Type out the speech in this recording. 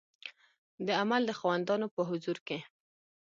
د عمل د خاوندانو په حضور کې